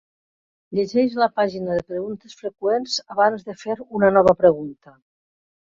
Llegeix la pàgina de preguntes freqüents abans de fer una nova pregunta.